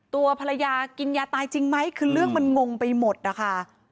ตัวภรรยากินยาตายจริงไหมคือเรื่องมันงงไปหมดนะคะ